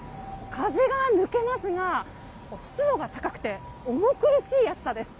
風が抜けますが湿度が高くて重苦しい暑さです。